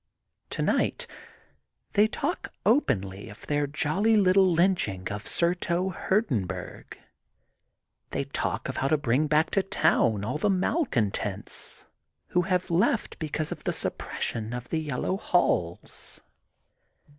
Tonight they talk openly of their jolly little lynching of Surto Hurdenburg. They talk of how to bring back to town all the malcontents who have left because of the suppression of the Yellow Halls.